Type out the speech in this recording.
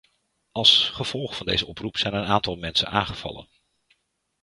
Als gevolg van deze oproep zijn een aantal mensen aangevallen.